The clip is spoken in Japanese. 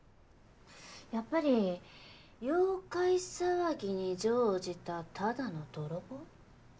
やっぱり妖怪騒ぎに乗じたただの泥棒？